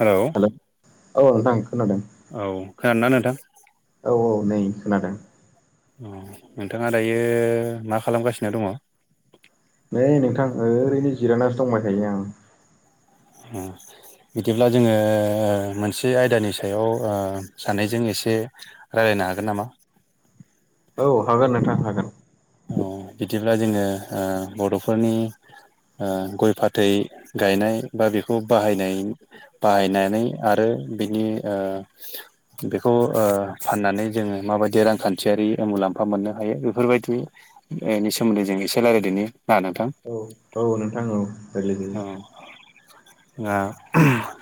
Hello औ नोंथां खोनादों औ खोनादों ना नोंथां औ औ नै खोनादों अ नोंथाङा दायो मा खालामगासिनो दङ? नै नोंथां ओरैनो जिरायानसो दंबाय थायो आं होम बिदिब्ला जोङो मोनसे आयदानि सायाव ओ सानैजों एसे रायज्लायनो हागोन नामा औ हागोन नोंथां हागोन अ बिदिब्ला जोङो ओ बर'फोरनि ओ गय फाथै गायनाय बा बेखौ बाहायनाय बाहायनानै आरो बिनि ओ बेखौ ओ फाननानै जोङो माबायदि रांखान्थियारि मुलाम्फा मोननो हायो बेफोरबायदि बेनि सोमोनदै जों एसे रायज्लायदनि ना नोंथां औ औ नोंथां औ रायलायजायो ओं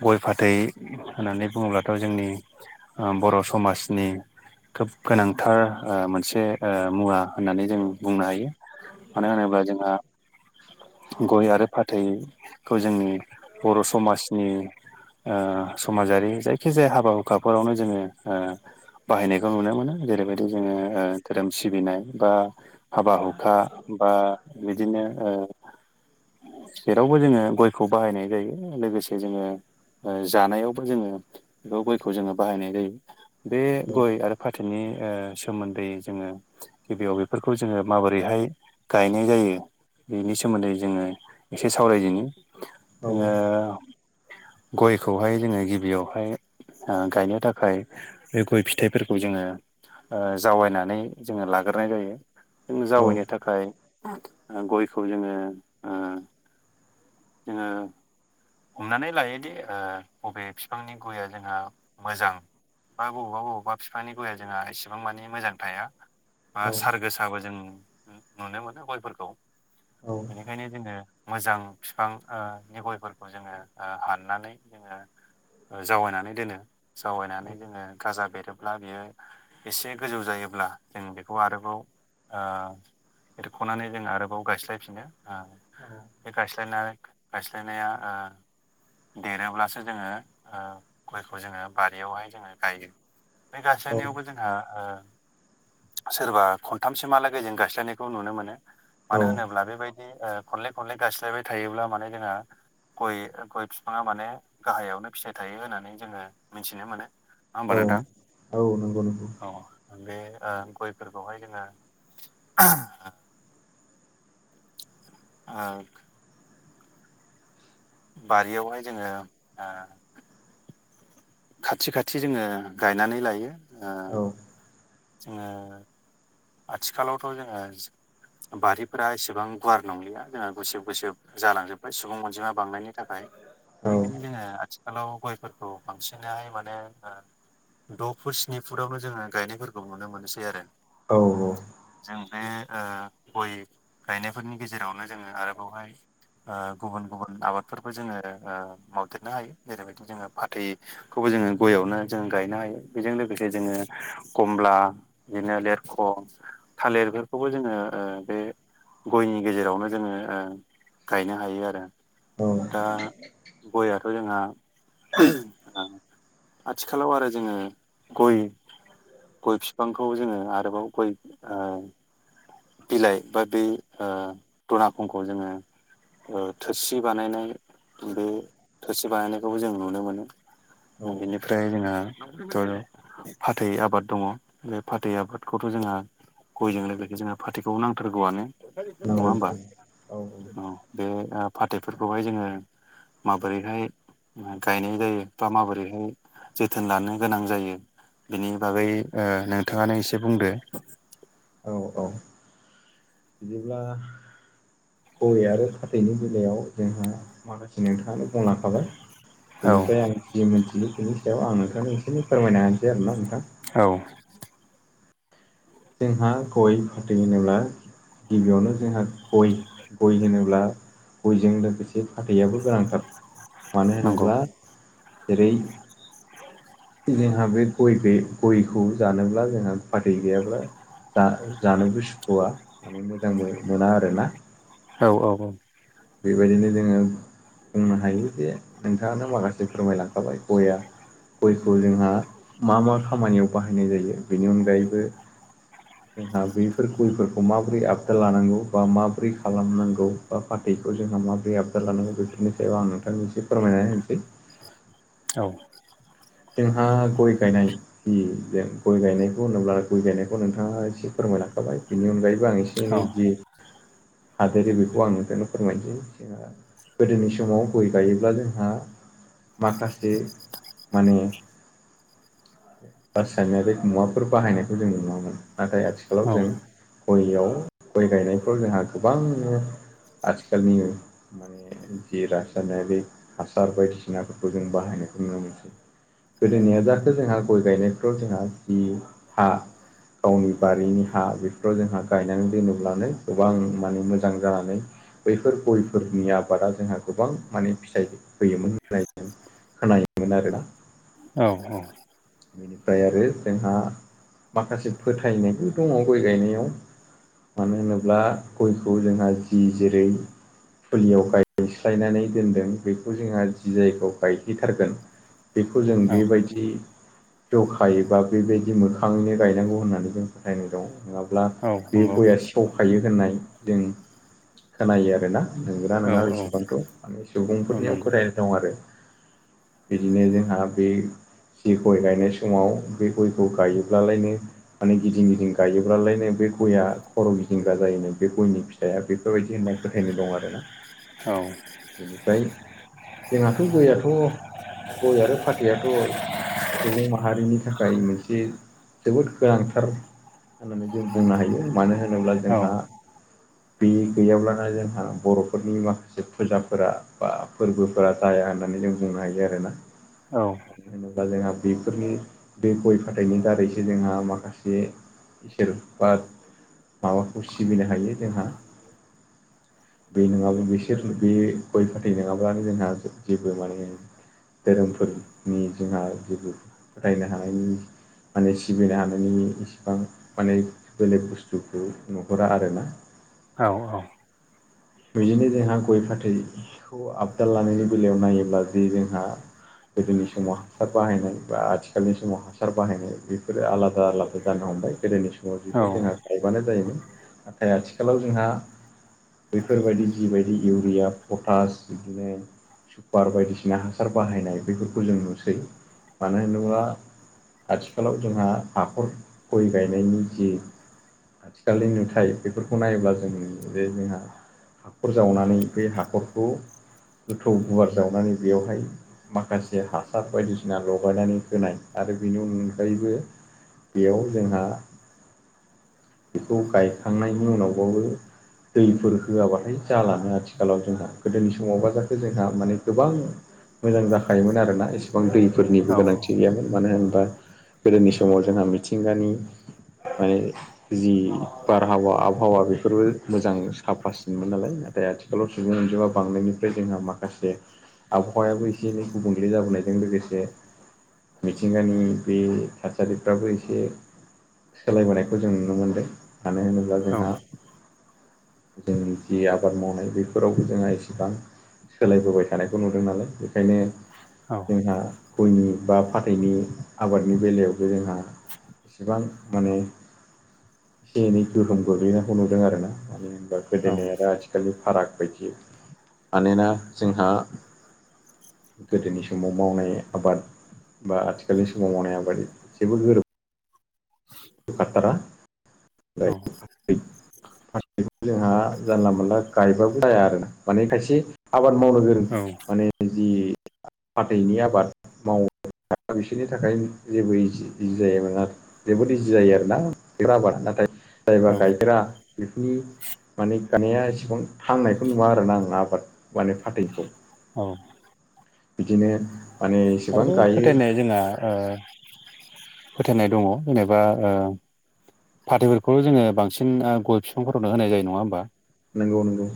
गय फाथै होननानै बुङोब्लाथ' जोंनि ओ बर' समाजनि खोब गोनांथार ओ मोनसे ओ मुवा होननानै जों बुंनो हायो मानो होनोब्ला जोंहा गय आरो फाथ थैखौ जोंनि बर' समाजनि ओ समाजारि जायखि जाया हाबा हुखाफोरावनो जोङो ओ बाहायनायखौ नुनो मोनो जेरैबायदि जोङो धोरोम सिबिनाय बा हाबा हुखा बा बिदिनो जेरावबो जोङो गयखौ बाहायनाय जायो लोगोसे जोङो जानायावबो जोङो बे गयखौ जोङो बाहायनाय जायो। बे गय आरो फाथोनि सोमोन्दै जोङो गिबियाव बेफोरखौ जोङो माबोरैहाय गायनाय जायो बेनि सोमोन्दै जोङो एसे सावरायजेनो औ जोङो गयखौहाय जोङो गिबियावहाय गायनो थाखाय बे गय फिथाइफोरखौ जोङो जावायनानै जोङो लाग्रोनाय जायो। जों औ जावैनो थाखाय गयखौ जोङो ओ जोङो हमनानै लायोदि बबे बिफांनि गया जोंहा मोजां बा बबावबा बबावबा बिफांनि गया जोंहा इसेबां मानिे मोजां थाया। बा औ सार गोसाबो जों नुनो मोनो गयफोरखौ। औ बेखायनो जोङो मोजां बिफांनि गयफोरखौ जोङो हाननानै जोङो ओ जावैनानै दोनो जावैनानै जोङो गाजा बेरोब्ला बियो एसे गोजौ जायोब्ला जों बेखौ आरोबाव ओ देखनानै जों आरोबाव गायस्लायफिनो ओ औ बे गायस्लायनाय गायस्लायनाया ओ देरोब्लासो जोङो ओ गयखौ जोङो बारियावहाय जोङो गायो। बे गासैनायावबो औ जोंहा सोरबा खनथामसिमहालागै जों गायस्लायनायखौ नुनो मोनो औ मानो होनोब्ला बेबायदि खनले खनले गायस्लायबाय थायोब्ला माने जोंहा गय गय बिफाङा माने गाहायावनो फिथाइ थायो होननानै जोङो मिथिनो मोनो। नङा होमबा नोंथां नंगौ नंगौ औ बे गयफोरखौहाय जोङो ओ ओ बारियावहाय जोङो ओ खाथि खाथि जोङो गायनानै लायो ओ औ जोङो आथिखालावथ' जोङो बारिफोरा एसेबां गुवार नंलिया जोंहा गुसेब गुसेब। जालांजोबबाय सुबुं अनजिमा बांनायनि थाखाय औ बेनिखायनो जोङो आथि खालाव गयफोरखौ बांसिनहाय माने ओ द' फुट स्नि फुटावनो जोङो गायनायफोरखौ नुनो मोनसै आरो। औ औ जों बे ओ गय गायनायफोरनि गेजेरावनो जोङो आरोबावहाय ओ गुबुन गुबुन आबादफोरबो जोङो मावदेरनो हायो जेरैबायदि जोङो फाथै खौबो जोङो गयावनो जों गायनो हायो बेजों लोगोसे जोङो कमला बिदिनो लेर ख थालिरफोरखौबो जोङो ओ बे गयनि गेजेरावनो जोङो गायनो हायो आरो। औ दा गआथ' जोंहा आथिखालाव आरो जोङो गय गय बिफांखौ जोङो आरोबाव गय ओ बिलाइ बा बे ओ दनाखंखौ जोङो ओ थोरसि बानायनाय बे थोरसि बानायनायखौबो जों नुनो औ मोनो बेनि फ्राय जोंहा फाथै आबाद दङ बे फाथै आबादखौथ' जोंहा गयजों लोगोसे जोङो फाथैखौ नांथारगौआनो। नङा नंगौ होमबा औ बे फाथैफोरखौहाय जोङो माबोरैहाय गायनाय जायो बा माबोरैहाय जोथोन लानो गोनां जायो? बिनि बागै ओ नोंथाङानो एसे बुंदो। औ औ बिदिब्ला गय आरो फाथैनि बेलायाव जोंहा माखासे नोंथाङानो बुंलांखाबाय। औ बेनिफ्राय आं जि मोनथिगौ बिनि सायाव आं नोंथांनो एसेनो फोरमायनो होनोसै आरोना नोंथां। औ जोंहा गय फाथै होनोब्ला गिबियावनो जोंहा गय गय होनोब्ला गयजों लोगोसे फाथैयाबो गोनांथार मानो नंगौ होनोब्ला जेरै [inaudible] जोंहा बे गय गयखौ जानोब्ला जोंहा फादै गैयाब्ला जा जानोबोसुखुआ माने मोजां मोना आरो ना। औ औ औ बेबायदिनो जोङो बुंनो हायो जे नोंथाङानो माखासे फोरमायलांखाबाय गया गयखौ जोंहा मा मा खामानियाव बाहायनाय जायो बेनि अनगायैबो जोंहा बेफोर गयफोरखौ माबोरै आबदार लानांगौ बा माबोरै खालामनांगौ बा फाथैखौ जोंहा माबोरै आबदाद लानांगौ बेफोरनि सायाव आं नोंथांनि मोनसे फोरमायनानै होनोसै। औ जोंहा गय गायनाय जों गय गायनायखौ होनोब्ला गय गायनायखौ नोंथाङा एसे फोरमायनाांखाबाय बेनि अनगायैबो एसे औ एनै हादोरो बेखौ आं नुनो फोरमायनिसै। गोदोनि समाव गय गायोब्ला जोंहा माखासे माने रासायनारिग मुवाफोर बाहायनायखौ जों नुनो मोनो नाथाय आथिखालाव जों गयाव गय गायनायफ्राव जोंहा गोबांनो आथिखालनि माने जि रासायनायारि हासार बायदिसिनाफोरखौ जों बाहायनायखौ नुनो मोनसै। गोदोनिया जाथो जोंहा गय गायनायफ्राव जोंहा जि हा गावनि बारिनि हा बेफोराव जोंहा गायनानै दोनोब्लानो गोबां माने मोजां जानानै बैफोर गयफोरनि आबादा जोंहा गोबां माने फिथाइ होयोमोन होननाय जों खोनायोमोन आरोना। औ औ बेनिफ्राय आरो जोंहा माखासे फोथायनायबो दङ गय गायनायाव। मानो होनोब्ला गयखौ जोंहा जि जेरै फुलियाव गायस्लायनानै दोनदों बेखौ जोंहा जि जायगायाव गायह्लिथारगोन बेखौ जों बेबायदि जखायोबा बेबायदि मोखाङैनो गायनांगौ होननानै जों फोथायनाय दं। नङाब्ला बे गआ सेवखायो होननाय जों खोनायो आरोना। नंगा औ नंगौ औ नङा औ बेसेबांथ' माने औ सुबुंफोरनियाव नंगौ फोथाय दं आरो बिदिनो जोंहा बे जि गय गायनाय समाव बे गयखौ गायोब्लालायनो माने गिदिं गिदिं गायोब्लाालायनो बे गयया खर' गिदिंगा जायोनो बे गयनि फिथाइया बेफोरबायदि होनना फोथायनो दं आरोना। औ बेनिफ्राय जोंहाथ' गयआथ' गय आरो फाथैयाथ' सुबुं माहारिनि थाखाय मोनसे जोबोद गोनांथार होननानै जों बुंनो हायो मानो होनोब्ला जोंहा [unintelligible] बे गैयाब्लानोा जोंहा बर'फोरनि माखासे फुजाफोरा बा फोरबो फोरा जाया होननानै जों बुंनो हायो आरोना। औ बा जोंहा बेफोरनि दै गय फाथैनि दारैसो जोंहा माखासे इसोर बा माबाखौ सिबिनो हायो जोंहा बे नङाब्ला बिसोर बे गय फाथै नङाब्लानो जोंहा जेबो माने धोरोमफोरनि जोंहा जेबो रायनो हानायनि माने सिबिनो हानायनि इसेबां माने बेलेग बुस्थुखौ नोहरा आरो ना औ औ बिदिनो जोंहा गय फाथै खौ आपडा लानायनि बेलायाव नायोब्ला जे जोंहा गोदोनि समाव हासार बाहायनाय बा आथिखालनि समाव हासार बाहायनाय बेफोरो आलादा आलादा जानो हमबाय गोदोनि समाव ज' बेखौ जोंहा गायबानो जायोमोन नाथाय आथिखालाव जोंहा बेफोरबायदि जिबायदि इउरिया पटास बिदिनो सुपार बायदिसिना हासार बाहायनाय बेफोरखौ जों नुसै मानो होनोबा आथिखालाव जोंहा हाखर गय गायनायनि जि आथिखालनि नुथाय बेफोरखौ नायोब्ला जों जे जोंहा हाखर जावनानै बे हाखरखौ गोथौ गुवार जावनानै बेवहाय माखासे हासार बायदिसिना सिना लगायनानै होनाय आरो बेनि अनगायैबो बेयाव जोंहा बेखौ गायखांनायनि उनावबाबो दैफोर होआबाथाय जालानो आथिखालाव जोंहा गोदोनि समावबा जाथो जोंहा माने गोबां मोजां जाखायोमोन आरोना इसेबां दैफोरनिबो गोनांथि गैयामोन मानो होनबा गोदोनि समाव जोंहा मिथिंगानि माने जि बारहावा आबहावा बेफोरबो मोजां साफासिनमोन नालाय थाय आथिखालाव सुबुं अनजिमा बांनायनिफ्राय जोंहा माखासे आबहावायाबो एसे एनै गुबुंले जाबोनायजों लोगोसे मिथिंगानि बे थासारिफ्राबो एसे सोलायबोनायखौ जों नुनो मोन्दों मानो होनोब्ला जोंहा जोंनि जि आबाद मावनाय बेफोरावबो जोंहा एसेबां सोलायबोबाय थानायखौ नुदों नालाय बेखायनो औ जोंहा गयनि बा फाथैनि आबादनि बेलायावबो जोंहा इसेबां माने एसे एनै गोहोम गोग्लैनायखौ नुदों आरो ना मानो होनबा गोदनि आरो आथिखालनि आथिखालि फाराग बायदि मानोना जोंहा गोदोनि समाव मावनाय आबाद बा आथिखालनि समाव मावनाय आबाद जेबो गोरोब खाथारा औ बै जोंहा जानला मोनला गायबाबो जाया आरो माने खायसे आबाद मावनो गोरों औ माने जि हाथैनि आबाद मावो दा बिसोरनि थाखाय जेबो इजि इजि जायोना जोबोद जायो आरोना नाथाय जायबा गायग्रा बेफोरनि माने गायनाया एसेबां थांनायखौ नुवा आरोना आं आबाद माने फाथैखौ औ बिदिनो माने एसेबां आरोबाव गायो फोथायनाया जोंहा फोथायनाय दङ जेनेबा फाथैफोरखौ जोङो बांसिन गय बिफांफोरावनो होनाय जायो नङा होमबा नंगौ नंगौ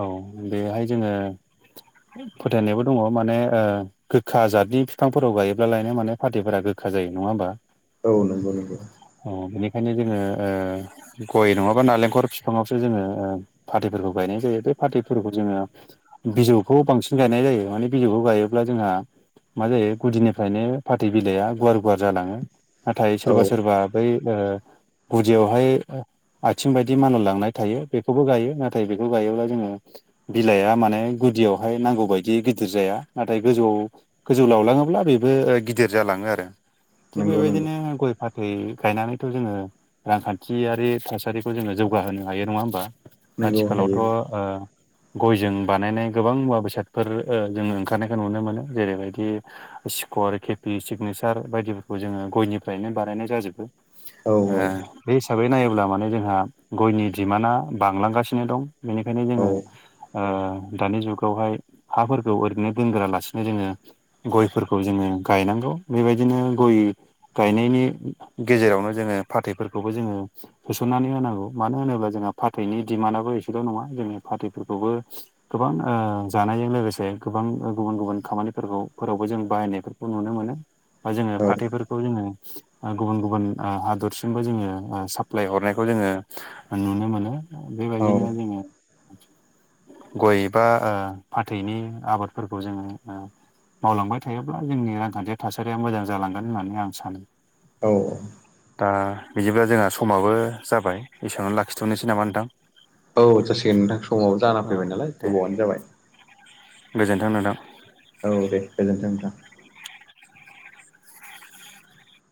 औ बेहाय जोङो फोथायनायावो दङ माने ओ गोखा जादनि बिफांफोराव गायोब्लाालायनो माने फाथैफोरा गोखा जायो नङा होमबा औ नंगौ नंगौ औ बेनिखायनो जोङो ओ गय नङाबा नालेंखर बिफाङावसो जोङो ओ फाथैफोरखौ गायनाय जायो बे फाथैफोरखौ जोङो बिजौखौ बांसिन गायनाय जायो माने बिजौखौ गायोब्ला जोंहा मा जायो गुदिनिफ्रायनो फाथै बिलाइआ गुवार गुवार जालाङो नाथाय औ सोरबा सोरबा बै ओ गुदियावहाय आथिं बायदि मानलालांनाय थायो बेखौबो गायो नाथाय बेखौ गायोब्ला जोङो बिलाइआ माने गुदियावहाय नांगौ बायदि गिदिर जाया नाथाय गोजौआव गोजौ लावलाङोब्ला बेबो गिदिर जालाङो आरो थिग नंगौ नंगौ बेबायदिनो गय फाथ दै गायनानैथ' जोङो रांखानथियारि थासारिखौ जोङो जौगाहोनो हायो नङा होमबा नंगौ आथिखालावथ' हायो ओ गयजों बानायनाय गोबां मुवा बेसादफोर ओ जोङो ओंखारनायखौ नुनो मोनो जेरैबायदि सिकर केपि सिगनेसार बायदिफोरखौ जोङो गयनिफ्रायनो बानायनाय जाजोबो औ ओ बे हिसाबै नायोब्ला माने जोंहा गयनि डिमाना बांलांगासिनो दं। बेनिखायनो ओंखायनो औ जोङो ओ दानि जुगावहाय हाफोरखौ ओरैनो दोनग्राालासिनो जोङो गयफोरखौ जोङो गायनांगौ बेबायदिनो गय गायनायनि गेजेरावनो जोङो फाथैफोरखौबो जोङो सोसननानै होनांगौ मानो होनोब्ला जोंहा फाथैनि दिडिमान्डआबो एसेल' नङा जोंनि फाथैफोरखौबो गोबां ओ जानायजों लोगोसे गोबां गुबुन गुबुन खामानिफोरखौफोरावबो जों बाहायनाय नुनो मोनो बा जोङो फाथैफोर खौ जोङो गुबुन गुबुन हादरसिमबो जोङो ओ साप्लााय हरनायखौ जोङो नुनो मोनो औ बेबायदिनो जोङो गय बा ओ फाथैनि आबादफोरखौ जोङो मावलांबाय थायोब्ला जोंनि रांखानथि थासारिया मोजां जालांगोन होननानै आं सानो औ औ दा बिदिब्ला जोंहा समाबो जाबाय एसेयावनो लाखिथ'नोसै नामा नोंथां? औ जासिगोन नोंथां समाबो जाना औ फैबाय नालाय गोबावानो जाबाय गोजोनथों नोंथां औ दे गोजोनथों नोंथां